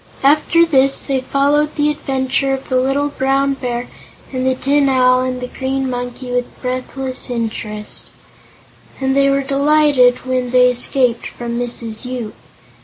After this they followed the adventure of the little Brown Bear and the Tin Owl and the Green Monkey with breathless interest, and were delighted when they escaped from Mrs. Yoop.